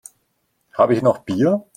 Habe ich noch Bier?